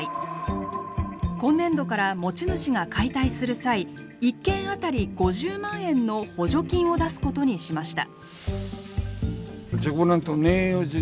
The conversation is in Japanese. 今年度から持ち主が解体する際１軒あたり５０万円の補助金を出すことにしました。